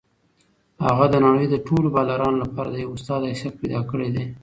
هغه د نړۍ د ټولو بالرانو لپاره د یو استاد حیثیت پیدا کړی دی.